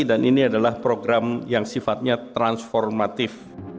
dan ini adalah program yang sifatnya transformatif